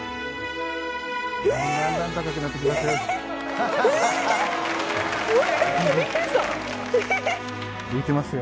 だんだん高くなってきますよ。